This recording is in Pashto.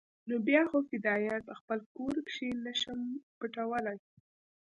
نو بيا خو فدايان په خپل کور کښې نه شم پټولاى.